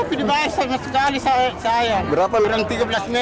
tidak ada dibayar sama sekali saya